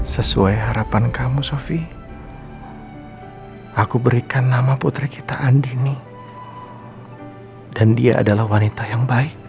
sesuai harapan kamu sofi aku berikan nama putri kita andini dan dia adalah wanita yang baik